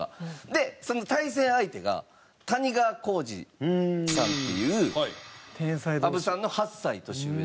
でその対戦相手が谷川浩司さんっていう羽生さんの８歳年上の。